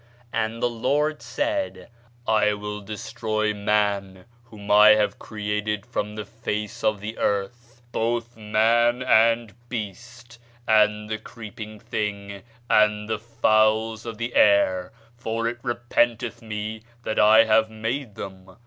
And the Lord said, I will destroy man whom I have created from the face of the earth; both man, and beast, and the creeping thing, and the fowls of the air; for it repenteth me that I have made them.